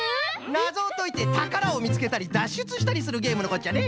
なぞをといてたからをみつけたりだっしゅつしたりするゲームのこっちゃね。